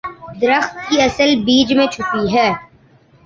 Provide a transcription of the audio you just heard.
درخت کی اصل بیج میں چھپی ہے۔